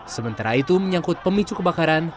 sementara itu menyangkut pemicu kebakaran